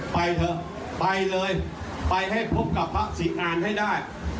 ไปเถอะไปเลยไปให้พบกับพระศิษงานให้ได้